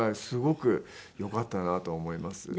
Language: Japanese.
すごくよかったなと思います。